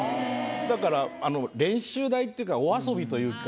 だから練習台っていうかお遊びというか。